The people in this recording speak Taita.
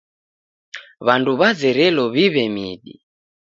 W'andu w'azerelo w'iw'e midi.